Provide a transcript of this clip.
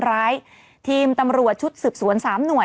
อ่าอ่าอ่าอ่าอ่า